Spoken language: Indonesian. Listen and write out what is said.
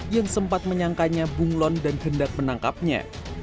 yang sempat menyangkanya bunglon dan hendak menangkapnya